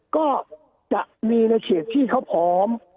ก็จะมีในเขตที่เขาพร้อม